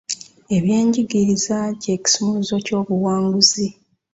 Eby'enjigiriza kye kisumuluzo ky'obuwanguzi.